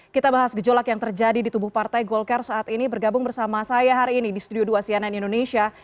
kita bahas gejolak yang terjadi di tubuh partai golkar saat ini bergabung bersama saya hari ini di studio dua cnn indonesia